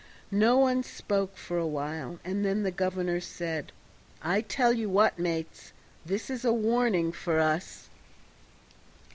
No one spoke for a while, and then the governor said, "I'll tell you what, mates, this is a warning for us."